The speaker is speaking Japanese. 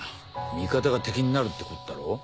味方が敵になるってことだろ？